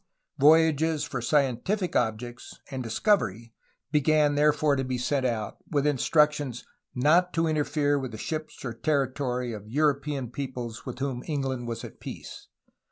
Voyages for scientific objects and discovery began therefore to be sent out, with instructions not to interfere with the ships or territory of European peoples with whom England was at peace.